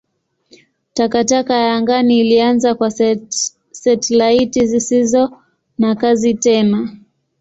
Takataka ya angani ilianza kwa satelaiti zisizo na kazi tena.